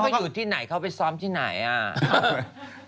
เขาอยู่ที่ไหนเขาไปซ้อมที่ไหนอ่ะ